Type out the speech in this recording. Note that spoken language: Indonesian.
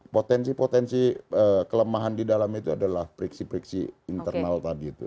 potensi potensi kelemahan di dalam itu adalah friksi friksi internal tadi itu